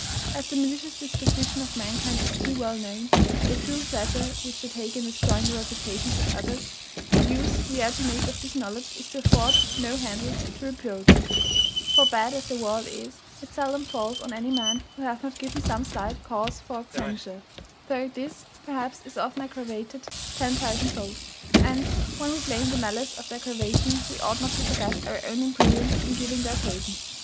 As the malicious disposition of mankind is too well known, and the cruel pleasure which they take in destroying the reputations of others, the use we are to make of this knowledge is to afford no handle to reproach; for, bad as the world is, it seldom falls on any man who hath not given some slight cause for censure, though this, perhaps, is often aggravated ten thousand fold; and, when we blame the malice of the aggravation we ought not to forget our own imprudence in giving the occasion.